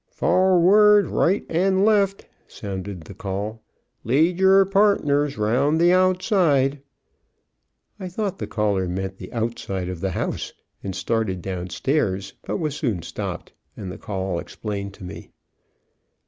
"Forward; right and left!" sounded the call. "Lead yer partners round the outside!" I thought the caller meant the outside of the house, and started down stairs, but was soon stopped, and the call explained to me.